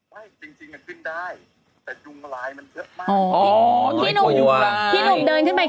ไม่จริงมันขึ้นได้แต่ดุงลายมันเยอะมาก